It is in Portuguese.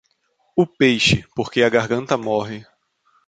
O peixe, porque a garganta morre.